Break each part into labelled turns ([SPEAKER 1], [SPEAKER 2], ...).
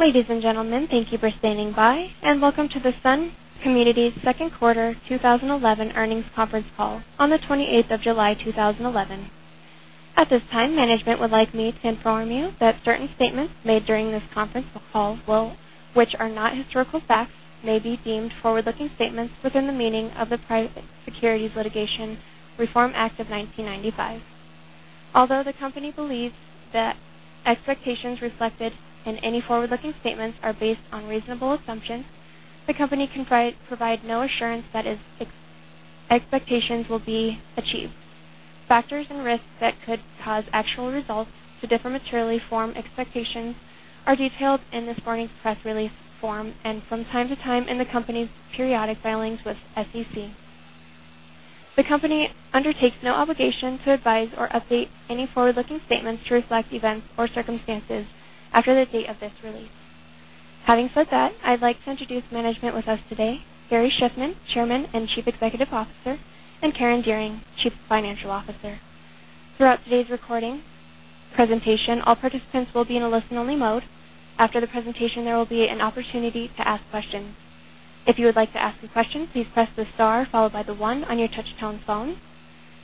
[SPEAKER 1] Ladies and gentlemen, thank you for standing by, and welcome to the Sun Communities Q2 2011 Earnings Conference Call on the 28th of July 2011. At this time, management would like me to inform you that certain statements made during this conference call will, which are not historical facts, may be deemed forward-looking statements within the meaning of the Private Securities Litigation Reform Act of 1995. Although the company believes that expectations reflected in any forward-looking statements are based on reasonable assumptions, the company can provide no assurance that its expectations will be achieved. Factors and risks that could cause actual results to differ materially from expectations are detailed in this morning's press release form and from time to time in the company's periodic filings with the SEC. The company undertakes no obligation to advise or update any forward-looking statements to reflect events or circumstances after the date of this release. Having said that, I'd like to introduce management with us today, Gary Shiffman, Chairman and Chief Executive Officer, and Karen Dearing, Chief Financial Officer. Throughout today's recording presentation, all participants will be in a listen-only mode. After the presentation, there will be an opportunity to ask questions. If you would like to ask a question, please press the star followed by the one on your touch tone phone.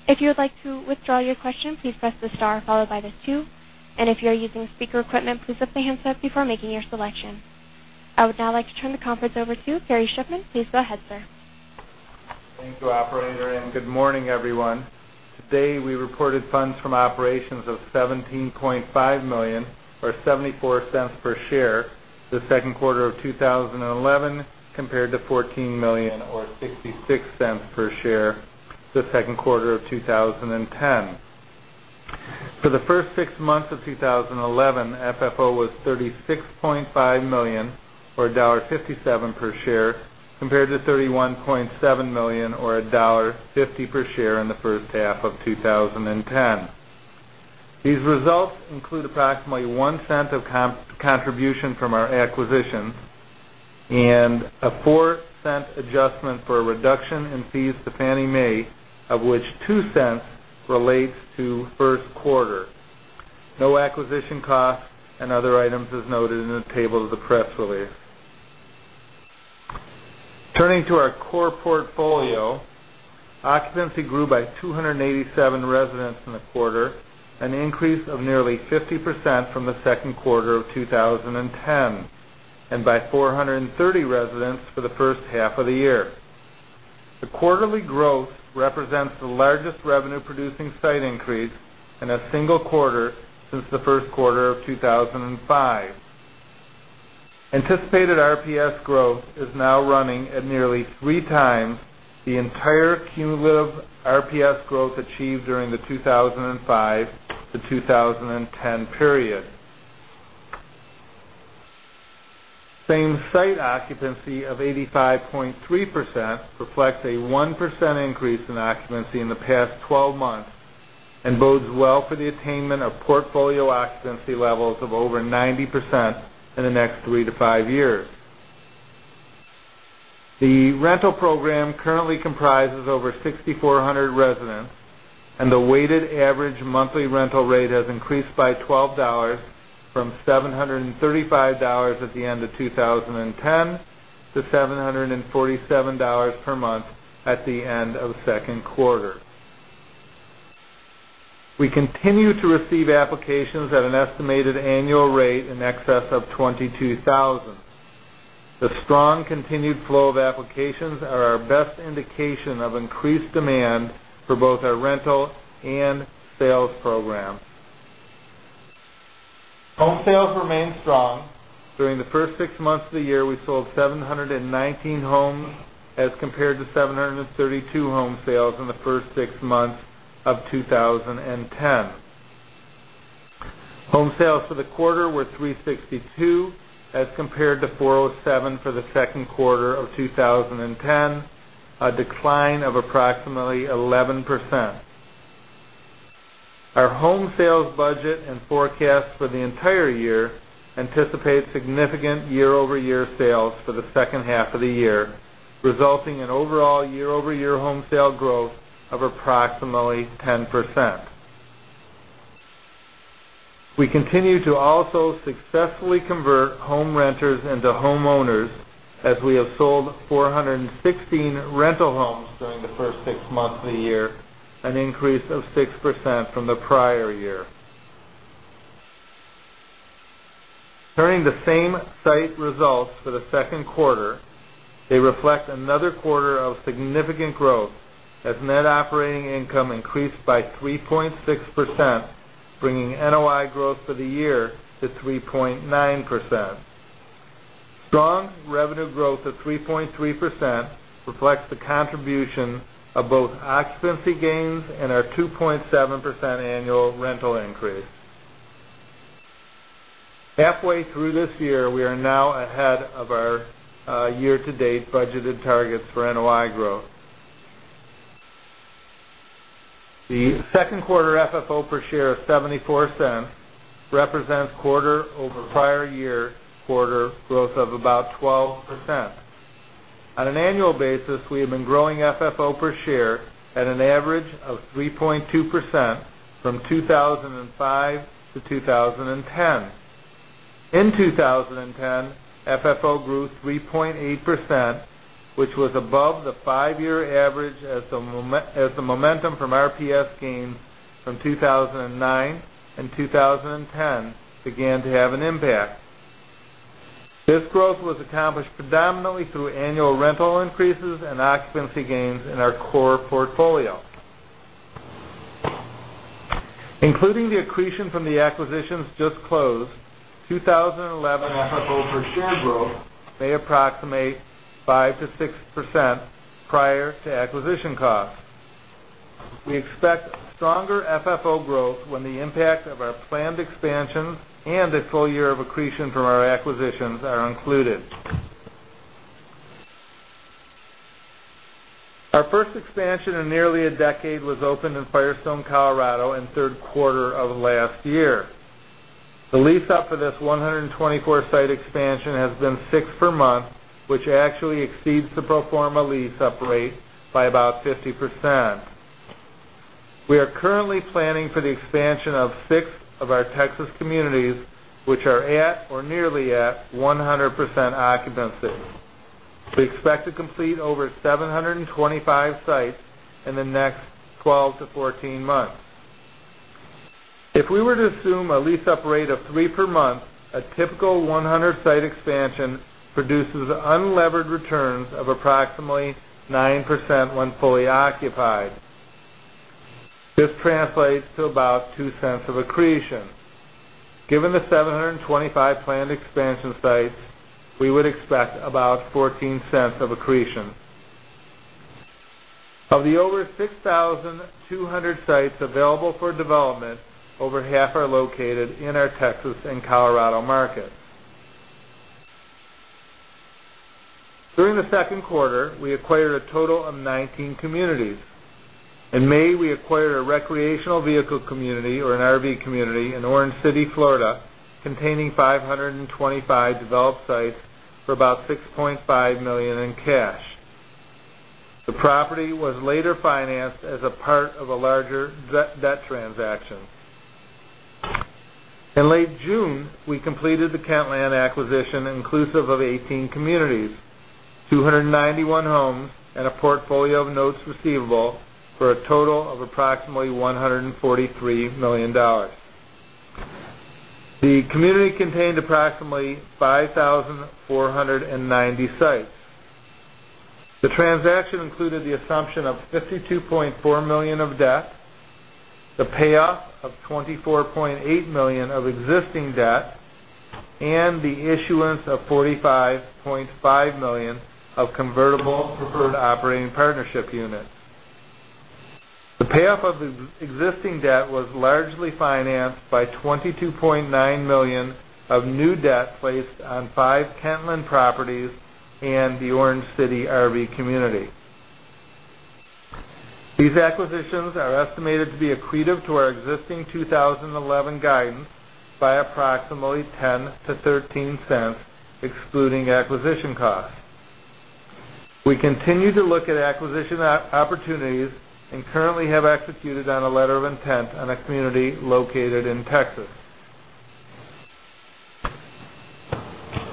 [SPEAKER 1] If you would like to withdraw your question, please press the star followed by the two, and if you are using speaker equipment, please lift the handset before making your selection. I would now like to turn the conference over to Gary Shiffman. Please go ahead, sir.
[SPEAKER 2] Thank you, operator, and good morning, everyone. Today, we reported funds from operations of $17.5 million or $0.74 per share, the Q2 of 2011, compared to $14 million or $0.66 per share the Q2 of 2010. For the first 6 months of 2011, FFO was $36.5 million or $1.57 per share, compared to $31.7 million or $1.50 per share in the first half of 2010. These results include approximately $0.01 of contribution from our acquisitions and a $0.04 adjustment for a reduction in fees to Fannie Mae, of which $0.02 relates to Q1, non-acquisition costs and other items, as noted in the table of the press release. Turning to our core portfolio, occupancy grew by 287 residents in the quarter, an increase of nearly 50% from the Q2 of 2010, and by 430 residents for the first half of the year. The quarterly growth represents the largest revenue-producing site increase in a single quarter since the Q1 of 2005. Anticipated RPS growth is now running at nearly 3x the entire cumulative RPS growth achieved during the 2005 to 2010 period. Same site occupancy of 85.3% reflects a 1% increase in occupancy in the past 12 months and bodes well for the attainment of portfolio occupancy levels of over 90% in the next 3 to 5 years. The rental program currently comprises over 6,400 residents, and the weighted average monthly rental rate has increased by $12 from $735 at the end of 2010 to $747 per month at the end of the Q2. We continue to receive applications at an estimated annual rate in excess of 22,000. The strong continued flow of applications are our best indication of increased demand for both our rental and sales programs. Home sales remain strong. During the first 6 months of the year, we sold 719 homes, as compared to 732 home sales in the first 6 months of 2010. Home sales for the quarter were 362, as compared to 407 for the Q2 of 2010, a decline of approximately 11%. Our home sales budget and forecast for the entire year anticipate significant year-over-year sales for the second half of the year, resulting in overall year-over-year home sale growth of approximately 10%. We continue to also successfully convert home renters into homeowners as we have sold 416 rental homes during the first 6 months of the year, an increase of 6% from the prior year. Turning to same-site results for the Q2, they reflect another quarter of significant growth as net operating income increased by 3.6%, bringing NOI growth for the year to 3.9%. Strong revenue growth of 3.3% reflects the contribution of both occupancy gains and our 2.7% annual rental increase. Halfway through this year, we are now ahead of our year-to-date budgeted targets for NOI growth. The Q2 FFO per share of $0.74 represents quarter-over-prior-year-quarter growth of about 12%. On an annual basis, we have been growing FFO per share at an average of 3.2% from 2005 to 2010. In 2010, FFO grew 3.8%, which was above the 5-year average as the momentum from RPS gains from 2009 and 2010 began to have an impact. This growth was accomplished predominantly through annual rental increases and occupancy gains in our core portfolio. Including the accretion from the acquisitions just closed, 2011 FFO per share growth may approximate 5% to 6% prior to acquisition costs. We expect stronger FFO growth when the impact of our planned expansions and a full year of accretion from our acquisitions are included. Our first expansion in nearly a decade was opened in Firestone, Colorado, in Q3 of last year. The lease-up for this 124-site expansion has been six per month, which actually exceeds the pro forma lease-up rate by about 50%. We are currently planning for the expansion of six of our Texas communities, which are at, or nearly at, 100% occupancy. We expect to complete over 725 sites in the next 12 to 14 months. If we were to assume a lease-up rate of 3 per month, a typical 100-site expansion produces unlevered returns of approximately 9% when fully occupied. This translates to about $0.02 of accretion. Given the 725 planned expansion sites, we would expect about $0.14 of accretion. Of the over 6,200 sites available for development, over half are located in our Texas and Colorado markets. During the Q2, we acquired a total of 19 communities. In May, we acquired a recreational vehicle community, or an RV community, in Orange City, Florida, containing 525 developed sites for about $6.5 million in cash. The property was later financed as a part of a larger debt transaction. In late June, we completed the Kentland acquisition, inclusive of 18 communities, 291 homes, and a portfolio of notes receivable for a total of approximately $143 million. The community contained approximately 5,490 sites. The transaction included the assumption of $52.4 million of debt, the payoff of $24.8 million of existing debt, and the issuance of $45.5 million of convertible preferred operating partnership units. The payoff of existing debt was largely financed by $22.9 million of new debt placed on 5 Kentland properties and the Orange City RV community. These acquisitions are estimated to be accretive to our existing 2011 guidance by approximately $0.10 to 0.13, excluding acquisition costs. We continue to look at acquisition opportunities and currently have executed on a letter of intent on a community located in Texas.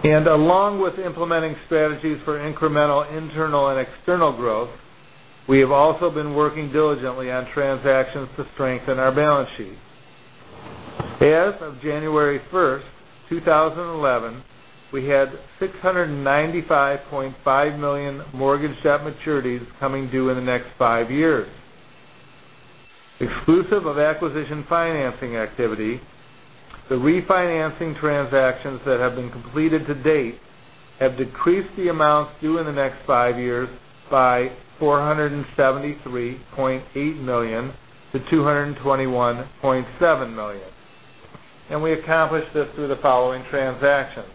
[SPEAKER 2] Along with implementing strategies for incremental internal and external growth, we have also been working diligently on transactions to strengthen our balance sheet. As of January 1st, 2011, we had $695.5 million mortgage debt maturities coming due in the next 5 years. Exclusive of acquisition financing activity, the refinancing transactions that have been completed to date have decreased the amounts due in the next 5 years by $473.8 million to 221.7 million, and we accomplished this through the following transactions.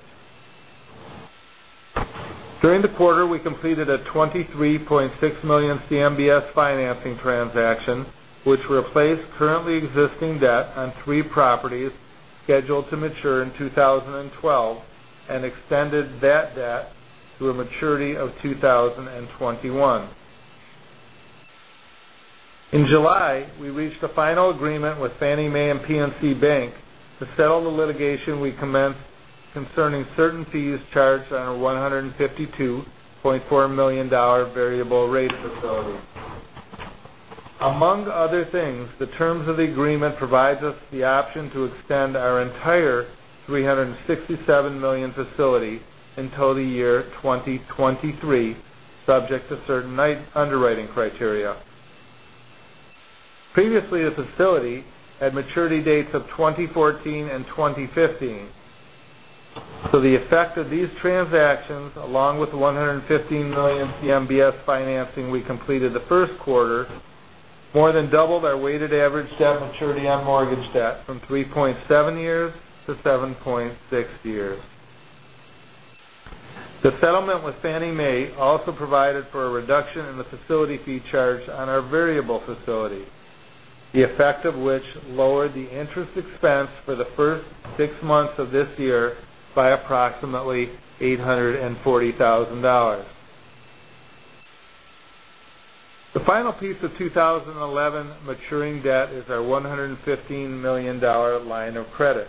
[SPEAKER 2] During the quarter, we completed a $23.6 million CMBS financing transaction, which replaced currently existing debt on three properties scheduled to mature in 2012 and extended that debt to a maturity of 2021. In July, we reached a final agreement with Fannie Mae and PNC Bank to settle the litigation we commenced concerning certain fees charged on our $152.4 million variable rate facility. Among other things, the terms of the agreement provides us the option to extend our entire $367 million facility until the year 2023, subject to certain new underwriting criteria. Previously, the facility had maturity dates of 2014 and 2015. So the effect of these transactions, along with the $115 million CMBS financing we completed the Q1, more than doubled our weighted average debt maturity on mortgage debt from 3.7 years to 7.6 years. The settlement with Fannie Mae also provided for a reduction in the facility fee charged on our variable facility. the effect of which lowered the interest expense for the first 6 months of this year by approximately $840,000. The final piece of 2011 maturing debt is our $115 million line of credit.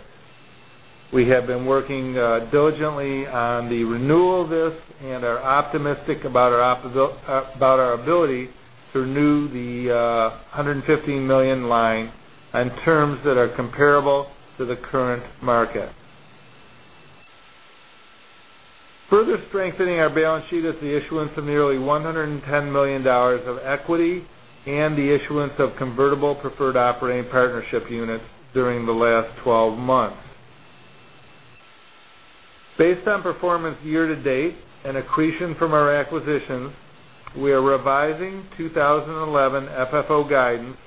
[SPEAKER 2] We have been working diligently on the renewal of this and are optimistic about our ability to renew the $115 million line on terms that are comparable to the current market. Further strengthening our balance sheet is the issuance of nearly $110 million of equity and the issuance of convertible preferred operating partnership units during the last 12 months. Based on performance year-to-date and accretion from our acquisitions, we are revising 2011 FFO guidance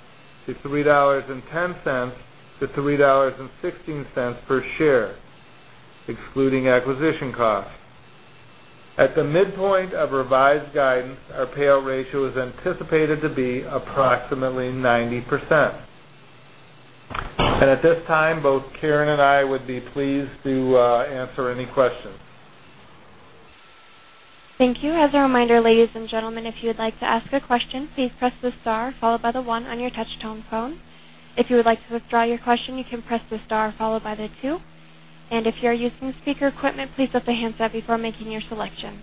[SPEAKER 2] to $3.10 to 3.16 per share, excluding acquisition costs. At the midpoint of revised guidance, our payout ratio is anticipated to be approximately 90%. At this time, both Karen and I would be pleased to answer any questions.
[SPEAKER 1] Thank you. As a reminder, ladies and gentlemen, if you would like to ask a question, please press the star followed by the one on your touch-tone phone. If you would like to withdraw your question, you can press the star followed by the two. If you're using speaker equipment, please lift the handset before making your selection.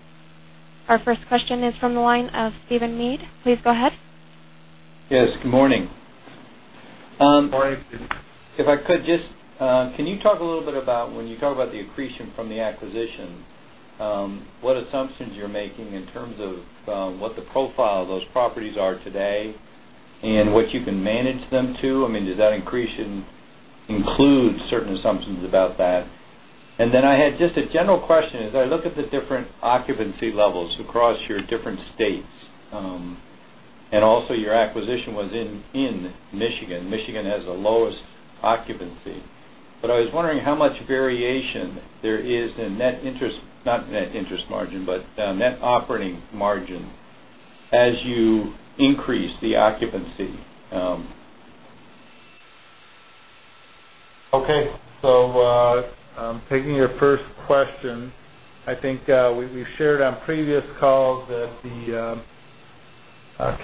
[SPEAKER 1] Our first question is from the line of Stephen Mead. Please go ahead.
[SPEAKER 3] Yes, good morning.
[SPEAKER 2] Good morning, Stephen.
[SPEAKER 3] If I could just, can you talk a little bit about when you talk about the accretion from the acquisition, what assumptions you're making in terms of, what the profile of those properties are today and what you can manage them to? I mean, does that accretion include certain assumptions about that? And then I had just a general question. As I look at the different occupancy levels across your different states, and also your acquisition was in Michigan. Michigan has the lowest occupancy. But I was wondering how much variation there is in net interest - not net interest margin, but net operating margin, as you increase the occupancy?
[SPEAKER 2] Okay. So, taking your first question, I think we’ve shared on previous calls that the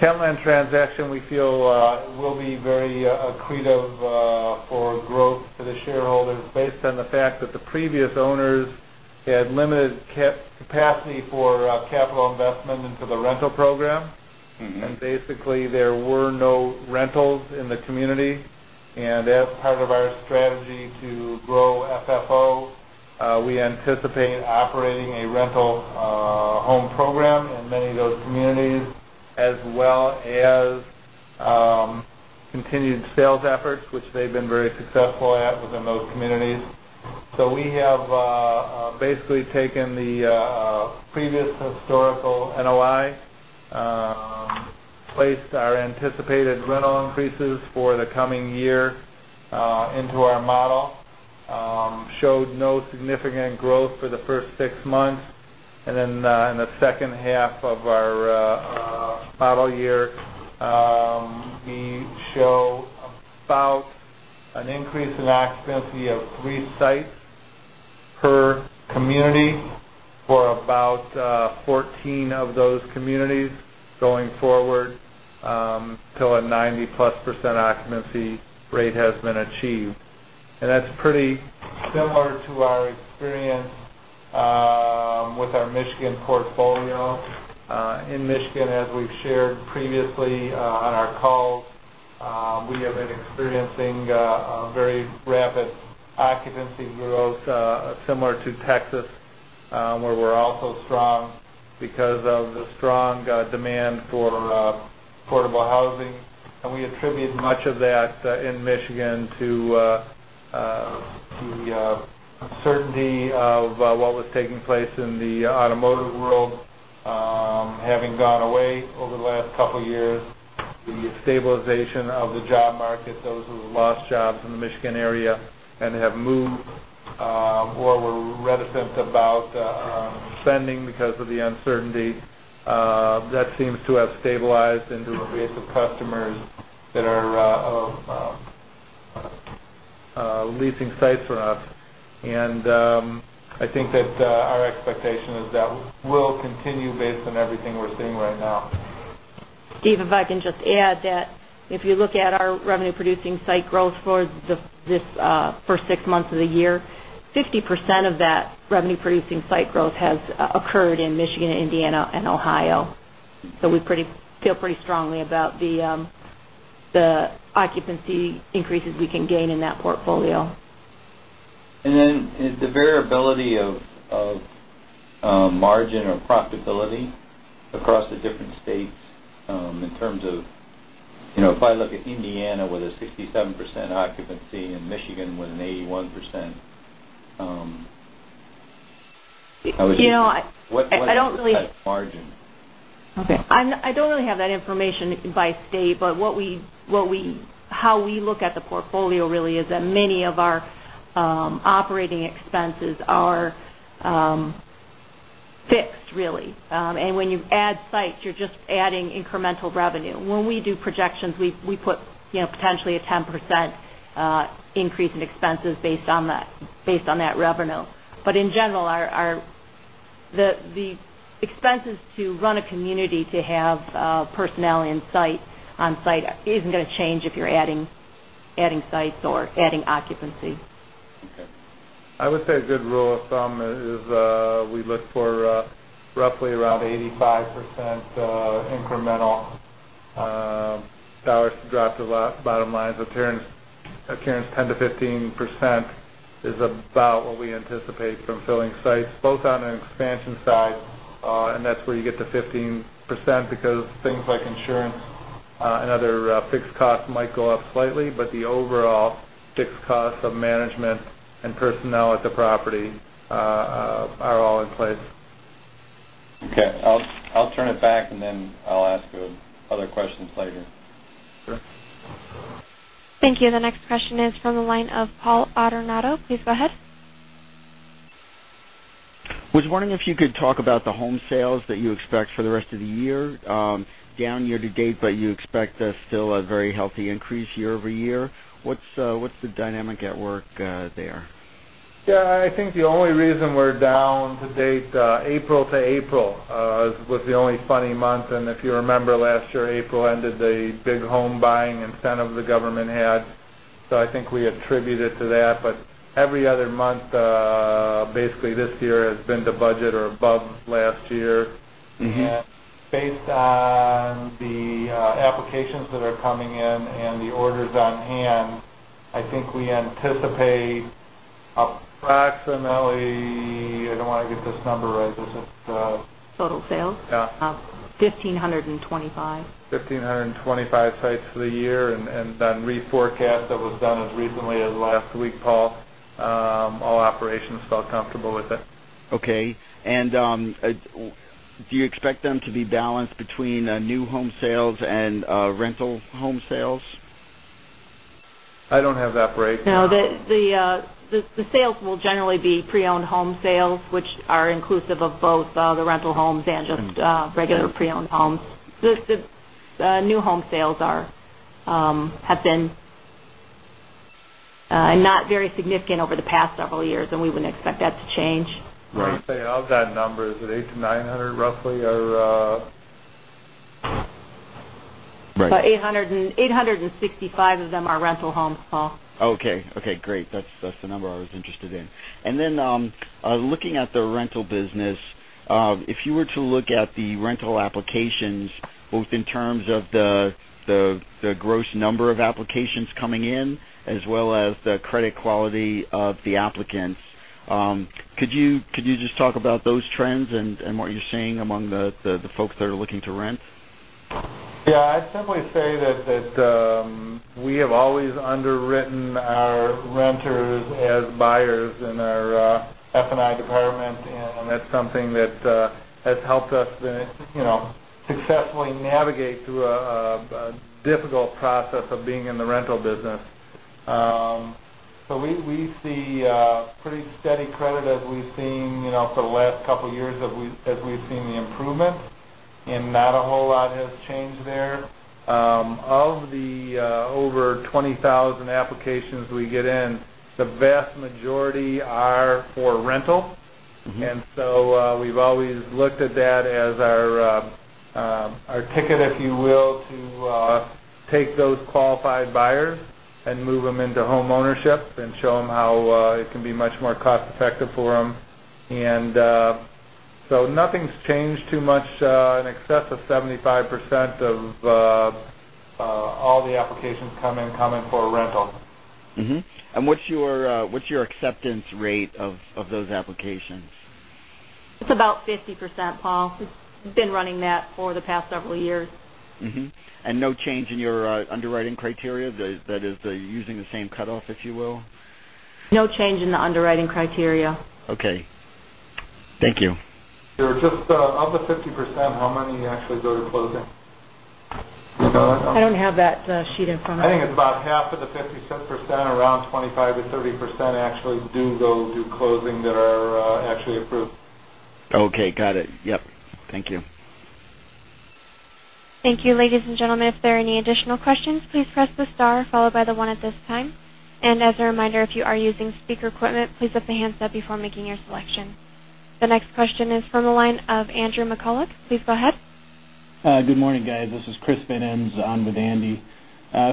[SPEAKER 2] Kentland transaction, we feel, will be very accretive for growth to the shareholders based on the fact that the previous owners had limited capacity for capital investment into the rental program.
[SPEAKER 3] Mm-hmm.
[SPEAKER 2] Basically, there were no rentals in the community. As part of our strategy to grow FFO, we anticipate operating a rental home program in many of those communities, as well as continued sales efforts, which they've been very successful at within those communities. We have basically taken the previous historical NOI, placed our anticipated rental increases for the coming year into our model, showed no significant growth for the first 6 months. Then, in the second half of our model year, we show about an increase in occupancy of three sites per community for about 14 of those communities going forward, till a 90+% occupancy rate has been achieved. That's pretty similar to our experience with our Michigan portfolio. In Michigan, as we've shared previously, on our calls, we have been experiencing a very rapid occupancy growth, similar to Texas, where we're also strong because of the strong demand for affordable housing. And we attribute much of that in Michigan to the uncertainty of what was taking place in the automotive world having gone away over the last couple of years, the stabilization of the job market, those who have lost jobs in the Michigan area and have moved or were reticent about spending because of the uncertainty. That seems to have stabilized into a base of customers that are leasing sites from us. And I think that our expectation is that will continue based on everything we're seeing right now.
[SPEAKER 4] Stephen, if I can just add that if you look at our revenue-producing site growth for this first six months of the year, 50% of that revenue-producing site growth has occurred in Michigan, Indiana, and Ohio. So we feel pretty strongly about the occupancy increases we can gain in that portfolio.
[SPEAKER 3] And then the variability of margin or profitability across the different states, in terms of, you know, if I look at Indiana with a 67% occupancy and Michigan with an 81%, how would you-
[SPEAKER 4] You know, I don't really-
[SPEAKER 3] Margin?
[SPEAKER 4] Okay. I don't really have that information by state, but how we look at the portfolio really is that many of our operating expenses are fixed really. And when you add sites, you're just adding incremental revenue. When we do projections, we put, you know, potentially a 10% increase in expenses based on that revenue. But in general, our the expenses to run a community, to have personnel on site, isn't going to change if you're adding sites or adding occupancy.
[SPEAKER 3] Okay.
[SPEAKER 2] I would say a good rule of thumb is, we look for, roughly around 85%, incremental dollars drop to the bottom line. And 10% to 15% is about what we anticipate from filling sites, both on an expansion side, and that's where you get the 15%, because things like insurance, and other, fixed costs might go up slightly, but the overall fixed costs of management and personnel at the property, are all in place.
[SPEAKER 3] Okay. I'll turn it back, and then I'll ask you other questions later.
[SPEAKER 2] Sure.
[SPEAKER 1] Thank you. The next question is from the line of Paul Adornato. Please go ahead.
[SPEAKER 5] Was wondering if you could talk about the home sales that you expect for the rest of the year, down year-to-date, but you expect there's still a very healthy increase year-over-year. What's the dynamic at work there?
[SPEAKER 2] Yeah, I think the only reason we're down to date, April-to-April, was the only funny month. And if you remember last year, April ended the big home buying incentive the government had, so I think we attribute it to that. But every other month, basically this year has been to budget or above last year.
[SPEAKER 5] Mm-hmm.
[SPEAKER 2] Based on the applications that are coming in and the orders on hand, I think we anticipate approximately. I don't want to get this number right. This is,
[SPEAKER 4] Total sales?
[SPEAKER 2] Yeah.
[SPEAKER 4] 1,525.
[SPEAKER 2] 1,525 sites for the year, and then reforecast that was done as recently as last week, Paul. All operations felt comfortable with it.
[SPEAKER 5] Okay. And do you expect them to be balanced between new home sales and rental home sales?
[SPEAKER 2] I don't have that breakdown.
[SPEAKER 4] No, the sales will generally be pre-owned home sales, which are inclusive of both the rental homes and just regular pre-owned homes. The new home sales have been not very significant over the past several years, and we wouldn't expect that to change.
[SPEAKER 5] Right.
[SPEAKER 2] I'll say, of that number, is it 800 to 900, roughly, or...
[SPEAKER 5] Right.
[SPEAKER 4] 865 of them are rental homes, Paul.
[SPEAKER 5] Okay. Okay, great. That's the number I was interested in. And then, looking at the rental business, if you were to look at the rental applications, both in terms of the gross number of applications coming in, as well as the credit quality of the applicants, could you just talk about those trends and what you're seeing among the folks that are looking to rent?
[SPEAKER 2] Yeah, I'd simply say that we have always underwritten our renters as buyers in our F&I department, and that's something that has helped us to, you know, successfully navigate through a difficult process of being in the rental business. So we see pretty steady credit as we've seen, you know, for the last couple of years, as we've seen the improvement, and not a whole lot has changed there. Of the over 20,000 applications we get in, the vast majority are for rental.
[SPEAKER 5] Mm-hmm.
[SPEAKER 2] We've always looked at that as our ticket, if you will, to take those qualified buyers and move them into homeownership and show them how it can be much more cost-effective for them. So nothing's changed too much, in excess of 75% of all the applications come in for rental.
[SPEAKER 5] Mm-hmm. And what's your acceptance rate of those applications?
[SPEAKER 4] It's about 50%, Paul. It's been running that for the past several years.
[SPEAKER 5] Mm-hmm. And no change in your, underwriting criteria? That is, are you using the same cutoff, if you will?
[SPEAKER 4] No change in the underwriting criteria.
[SPEAKER 5] Okay. Thank you.
[SPEAKER 2] Just of the 50%, how many actually go to closing?
[SPEAKER 4] I don't have that sheet in front of me.
[SPEAKER 2] I think it's about half of the 50%, around 25% to 30% actually do go to closing that are actually approved.
[SPEAKER 5] Okay, got it. Yep. Thank you.
[SPEAKER 1] Thank you, ladies and gentlemen. If there are any additional questions, please press the star followed by the one at this time. As a reminder, if you are using speaker equipment, please lift the handset before making your selection. The next question is from the line of Andrew McCulloch. Please go ahead.
[SPEAKER 6] Good morning, guys. This is Chris Van Ens in with Andy.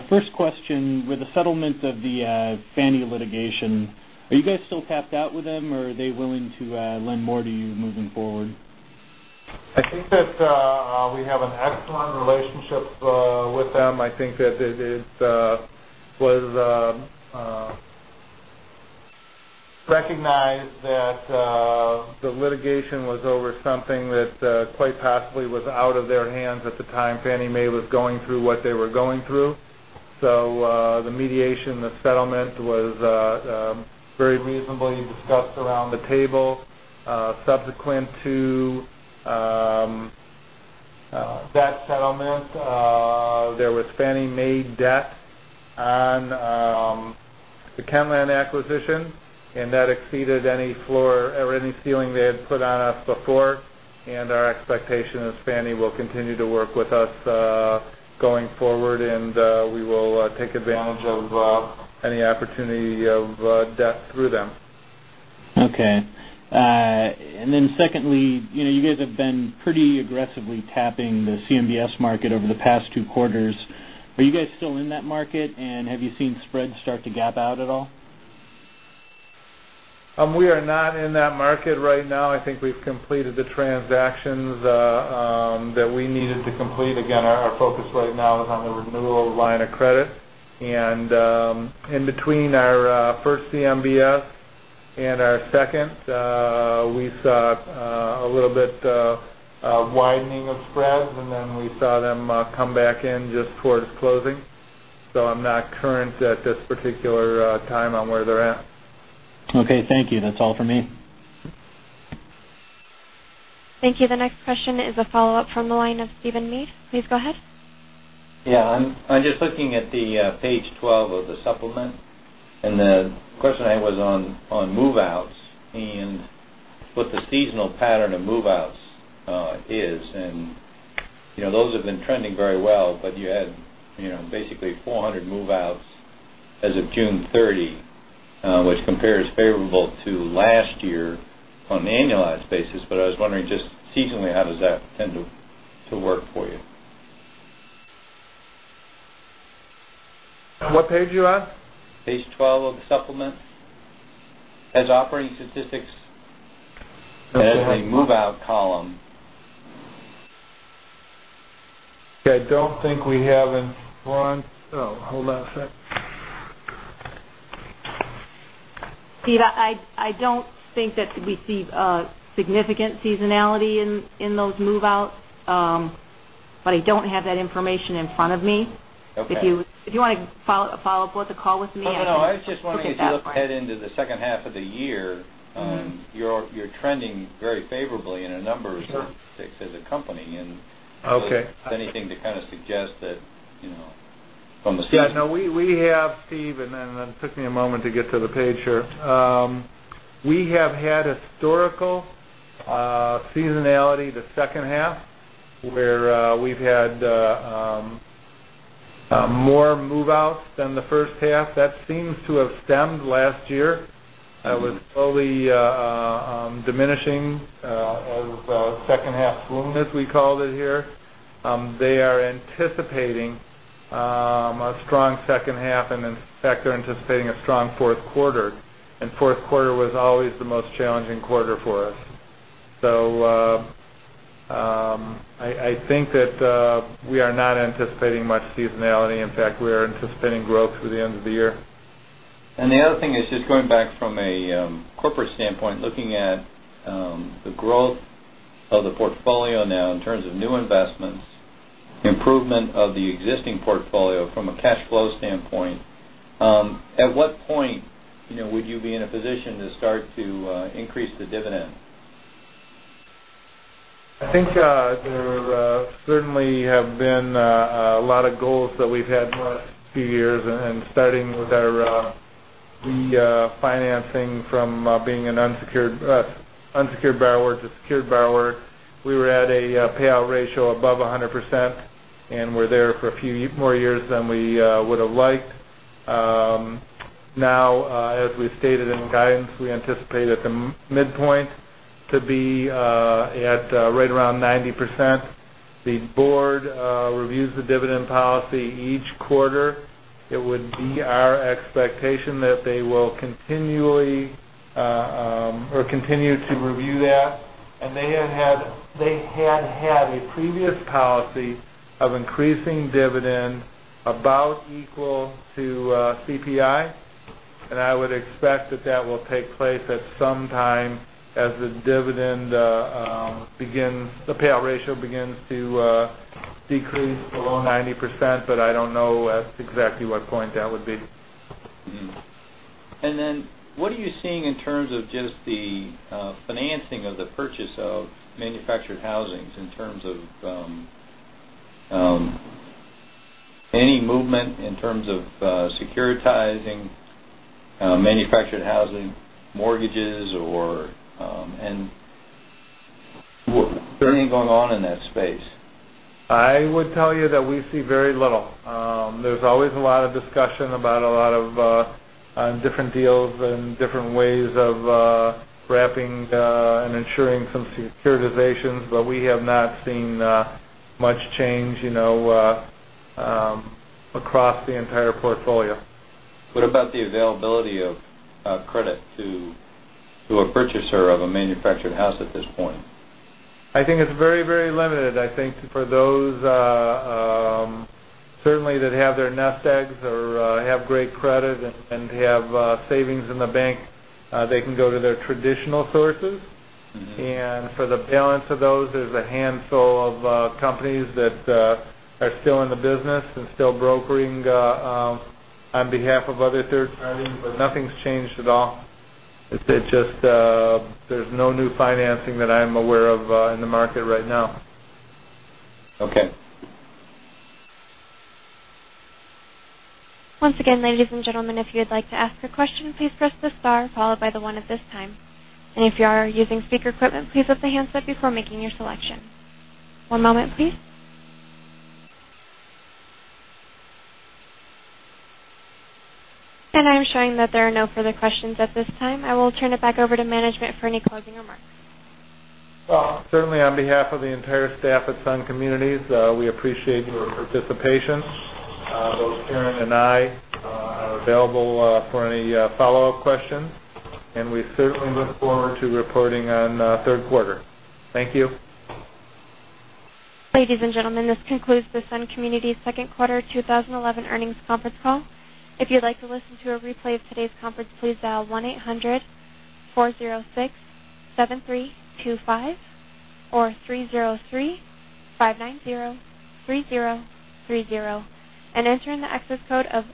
[SPEAKER 6] First question, with the settlement of the Fannie litigation, are you guys still capped out with them, or are they willing to lend more to you moving forward?
[SPEAKER 2] I think that we have an excellent relationship with them. I think that it was recognized that the litigation was over something that quite possibly was out of their hands at the time. Fannie Mae was going through what they were going through. So the mediation, the settlement was very reasonably discussed around the table subsequent to that settlement, there was Fannie Mae debt on the Kentland acquisition, and that exceeded any floor or any ceiling they had put on us before. Our expectation is Fannie will continue to work with us going forward, and we will take advantage of any opportunity of debt through them.
[SPEAKER 6] Okay. Then secondly, you know, you guys have been pretty aggressively tapping the CMBS market over the past two quarters. Are you guys still in that market, and have you seen spreads start to gap out at all?
[SPEAKER 2] We are not in that market right now. I think we've completed the transactions that we needed to complete. Again, our focus right now is on the renewal line of credit. And, in between our first CMBS and our second, we saw a little bit widening of spreads, and then we saw them come back in just towards closing. So I'm not current at this particular time on where they're at.
[SPEAKER 6] Okay, thank you. That's all for me.
[SPEAKER 1] Thank you. The next question is a follow-up from the line of Stephen Mead. Please go ahead.
[SPEAKER 3] Yeah, I'm just looking at the page 12 of the supplement, and the question I was on move-outs and what the seasonal pattern of move-outs is. And, you know, those have been trending very well, but you had, you know, basically 400 move-outs as of June 30th, which compares favorable to last year on an annualized basis. But I was wondering, just seasonally, how does that tend to work for you?
[SPEAKER 2] What page are you at?
[SPEAKER 3] Page 12 of the supplement. It has operating statistics-
[SPEAKER 2] Okay.
[SPEAKER 3] It has a move-out column.
[SPEAKER 2] I don't think we have in front... Oh, hold on a sec.
[SPEAKER 4] Stephen, I don't think that we see significant seasonality in those move-outs, but I don't have that information in front of me.
[SPEAKER 3] Okay.
[SPEAKER 4] If you want to follow up with a call with me, I can-
[SPEAKER 3] No, no, I was just wondering, as you look ahead into the second half of the year, you're trending very favorably in a number of statistics as a company, and-
[SPEAKER 2] Okay.
[SPEAKER 3] If there's anything to kind of suggest that, you know, from the-
[SPEAKER 2] Yeah. No, we, we have, Steve, and then it took me a moment to get to the page here. We have had historical seasonality the second half, where we've had more move-outs than the first half. That seems to have stemmed last year.
[SPEAKER 3] Mm-hmm.
[SPEAKER 2] Was slowly diminishing as second-half gloom, as we called it here. They are anticipating a strong second half, and in fact, they're anticipating a strong Q4, and Q4 was always the most challenging quarter for us. So, I think that we are not anticipating much seasonality. In fact, we are anticipating growth through the end of the year.
[SPEAKER 3] The other thing is just going back from a corporate standpoint, looking at the growth of the portfolio now in terms of new investments, improvement of the existing portfolio from a cash flow standpoint, at what point, you know, would you be in a position to start to increase the dividend?
[SPEAKER 2] I think there certainly have been a lot of goals that we've had the last few years, and starting with our financing from being an unsecured unsecured borrower to secured borrower. We were at a payout ratio above 100%, and we're there for a few more years than we would have liked. Now, as we've stated in the guidance, we anticipate at the midpoint to be at right around 90%. The board reviews the dividend policy each quarter. It would be our expectation that they will continually or continue to review that. They had had a previous policy of increasing dividend about equal to CPI, and I would expect that that will take place at some time as the dividend begins, the payout ratio begins to decrease below 90%, but I don't know at exactly what point that would be.
[SPEAKER 3] Mm-hmm. And then, what are you seeing in terms of just the financing of the purchase of manufactured housings in terms of any movement in terms of securitizing manufactured housing mortgages or. And is there anything going on in that space?
[SPEAKER 2] I would tell you that we see very little. There's always a lot of discussion about a lot of different deals and different ways of wrapping and ensuring some securitizations, but we have not seen much change, you know, across the entire portfolio.
[SPEAKER 3] What about the availability of credit to a purchaser of a manufactured house at this point?
[SPEAKER 2] I think it's very, very limited. I think for those, certainly that have their nest eggs or, have great credit and have, savings in the bank, they can go to their traditional sources.
[SPEAKER 3] Mm-hmm.
[SPEAKER 2] For the balance of those, there's a handful of companies that are still in the business and still brokering on behalf of other third parties, but nothing's changed at all. It's just, there's no new financing that I'm aware of in the market right now.
[SPEAKER 3] Okay.
[SPEAKER 1] Once again, ladies and gentlemen, if you'd like to ask a question, please press the star followed by the one at this time. If you are using speaker equipment, please lift the handset before making your selection. One moment, please. I'm showing that there are no further questions at this time. I will turn it back over to management for any closing remarks.
[SPEAKER 2] Well, certainly on behalf of the entire staff at Sun Communities, we appreciate your participation. Both Karen and I are available for any follow-up questions, and we certainly look forward to reporting on Q3. Thank you.
[SPEAKER 1] Ladies and gentlemen, this concludes the Sun Communities Q2 2011 earnings conference call. If you'd like to listen to a replay of today's conference, please dial 1-800-406-7325 or 303-590-3030, and enter in the access code of